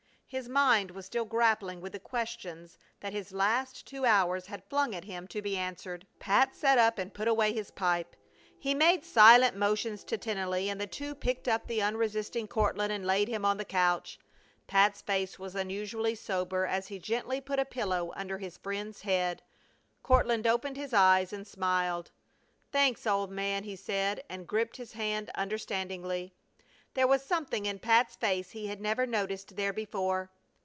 His mind was still grappling with the questions that his last two hours had flung at him to be answered. Pat sat up and put away his pipe. He made silent motions to Tennelly, and the two picked up the unresisting Courtland and laid him on the couch. Pat's face was unusually sober as he gently put a pillow under his friend's head. Courtland opened his eyes and smiled. "Thanks, old man," he said, and gripped his hand understandingly. There was something in Pat's face he had never noticed there before.